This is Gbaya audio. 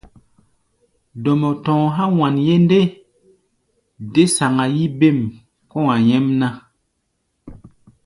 Dɔmɔ tɔ̧ɔ̧ há̧ wanye ndé, dé saŋa-yí bêm kɔ̧́-a̧ nyɛ́mná.